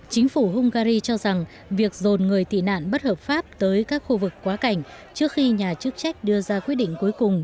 chính phủ hungary cho rằng việc dồn người tị nạn bất hợp pháp tới các khu vực quá cảnh trước khi nhà chức trách đưa ra quyết định cuối cùng